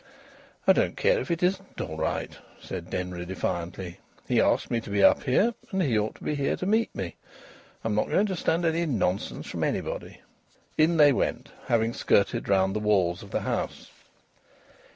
"I don't care if it isn't all right," said Denry, defiantly. "He asked me to be up here, and he ought to be here to meet me. I'm not going to stand any nonsense from anybody." In they went, having skirted round the walls of the house.